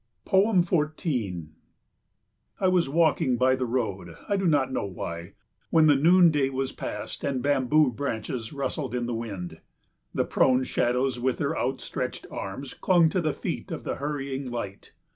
14 I was walking by the road, I do not know why, when the noonday was past and bamboo branches rustled in the wind. The prone shadows with their out stretched arms clung to the feet of the hurrying light.